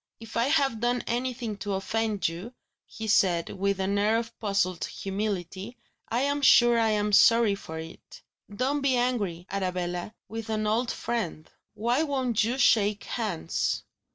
"If I have done anything to offend you," he said, with an air of puzzled humility, "I'm sure I am sorry for it. Don't be angry, Arabella, with an old friend. Why won't you shake hands?"